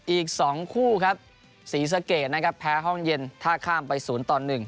อีกสองคู่ครับศรีสเกตนะครับแพ้ห้องเย็นท่าข้ามไปศูนย์ตอนหนึ่ง